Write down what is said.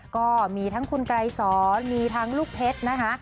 ก็มีทั้งคุณไกรสอนมีทั้งลูกเพชรนะคะ